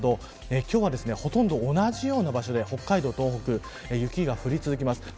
今日はほとんど同じような場所で北海道、東北雪が降り続きます。